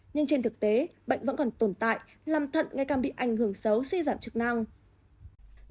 nhưng trên thực tế bệnh vẫn còn tồn tại làm thận ngày càng bị ảnh hưởng xấu suy giảm chức năng